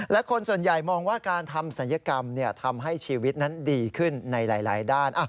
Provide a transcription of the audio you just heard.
และคนส่วนใหญ่มองว่าการทำศัลยกรรมทำให้ชีวิตนั้นดีขึ้นในหลายด้าน